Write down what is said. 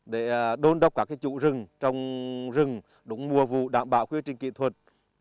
để đôn đốc các chủ rừng trong rừng đúng mùa vụ đảm bảo quyết trình kỹ thuật